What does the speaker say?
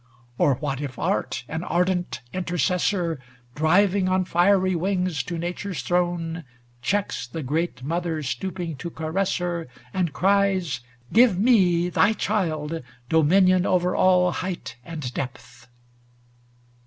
Oh, what if Art, an ardent intercessor, Driving on fiery wings to Nature's throne, Checks the great mother stooping to ca ress her And cries: * Give me, thy child, domin ion Over all height and depth?'